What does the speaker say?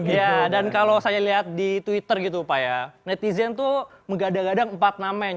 iya dan kalau saya lihat di twitter gitu pak ya netizen tuh menggadang gadang empat nama yang